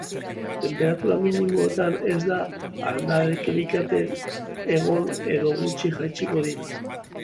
Tenperatura minimoetan, ez da aldaketarik egongo, edo gutxi jaitsiko dira.